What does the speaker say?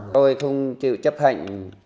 tôi không chịu chấp hạnh